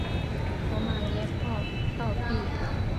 驼马捏报倒毙。